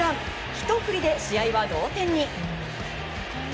ひと振りで試合は同点に。